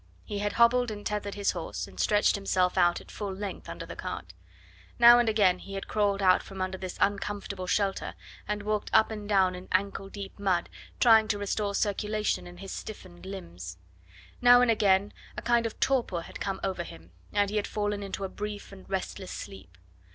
He had hobbled and tethered his horse, and stretched himself out at full length under the cart. Now and again he had crawled out from under this uncomfortable shelter and walked up and down in ankle deep mud, trying to restore circulation in his stiffened limbs; now and again a kind of torpor had come over him, and he had fallen into a brief and restless sleep.